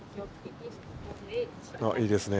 あっいいですね。